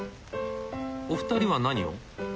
お二人は何を？